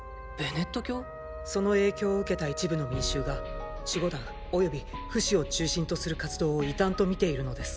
その影響を受けた一部の民衆が守護団およびフシを中心とする活動を異端と見ているのです。